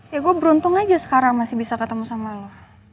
ya gue beruntung aja sekarang masih bisa ketemu sama lo